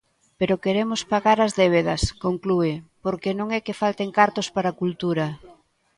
"Pero queremos pagar as débedas, conclúe, "porque non é que falten cartos para cultura.